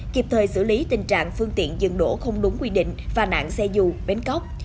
kịp thời xử lý tình trạng phương tiện dừng đổ không đúng quy định và nạn xe dù bến cóc